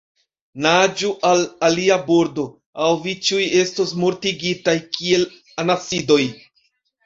Naĝu al alia bordo, aŭ vi ĉiuj estos mortigitaj, kiel anasidoj!